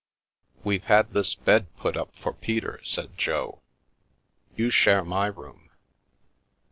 We've had this bed put up for Peter," said Jo. You share my room.